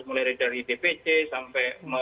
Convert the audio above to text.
mulai dari dpc sampai